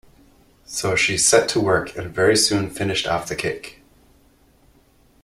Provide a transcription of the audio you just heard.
So she set to work, and very soon finished off the cake.